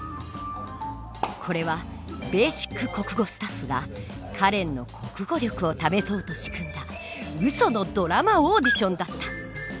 これは「ベーシック国語」スタッフがカレンの国語力を試そうと仕組んだウソのドラマオーディションだった。